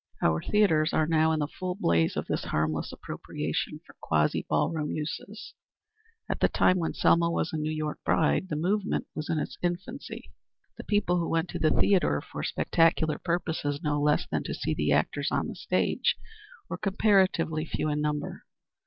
Our theatres are now in the full blaze of this harmless appropriation for quasi ballroom uses. At the time when Selma was a New York bride the movement was in its infancy. The people who went to the theatre for spectacular purposes no less than to see the actors on the stage were comparatively few in number.